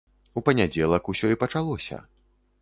У панядзелак усё і пачалося.